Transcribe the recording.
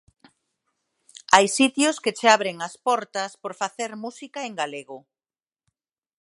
Hai sitios que che abren as portas por facer música en galego.